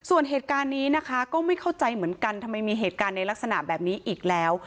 ส่วนเหตุการณ์นี้นะคะก็ไม่เข้าใจเหมือนกันทำไมมีเหตุการณ์ในลักษณะแบบนี้อีกแล้ว